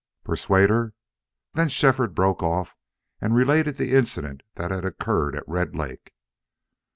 "Persuade her!" Then Shefford broke off and related the incident that had occurred at Red Lake.